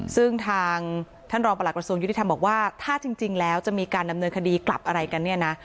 ซึ่งทางท่านรองประหลักกระทรวงยุติธรรมบอกว่าถ้าจริงแล้วจะมีการดำเนินคดีกลับอะไรกันเนี่ยนะ